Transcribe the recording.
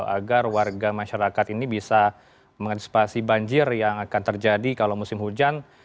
agar warga masyarakat ini bisa mengantisipasi banjir yang akan terjadi kalau musim hujan